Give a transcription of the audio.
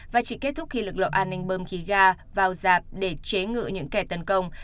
và chỉ kết thúc khi lực lượng an ninh bơm khí ga vào dạp để chế ngự những kẻ tấn công